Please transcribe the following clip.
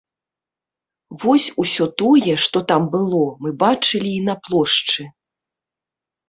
Вось усё тое, што там было, мы бачылі і на плошчы.